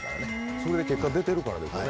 それで結果出てるからですよ